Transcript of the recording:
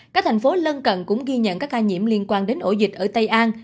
các thành phố lân cận cũng ghi nhận các ca nhiễm liên quan đến ổ dịch ở tây an